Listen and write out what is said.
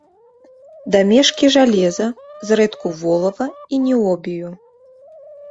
Дамешкі жалеза, зрэдку волава і ніобію.